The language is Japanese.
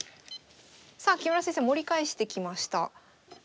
さあ木村先生盛り返してきました。